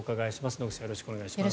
野口さんよろしくお願いします。